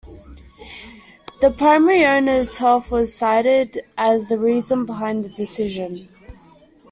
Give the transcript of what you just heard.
The primary owners health was cited as the reason behind the decision.